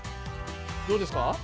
どうですか？